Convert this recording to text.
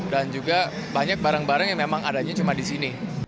dan juga banyak barang barang yang memang adanya cuma di sini